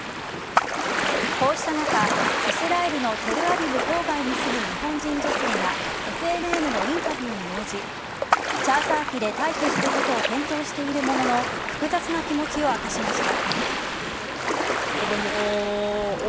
こうした中、イスラエルのテルアビブ郊外に住む日本人女性がＦＮＮのインタビューに応じチャーター機で退避することを検討しているものの複雑な気持ちを明かしました。